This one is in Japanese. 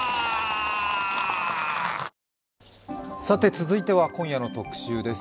続いては今夜の「特集」です。